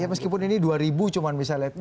ya meskipun ini rp dua cuma misalnya